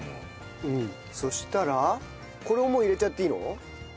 そしたらこれをもう入れちゃっていいの？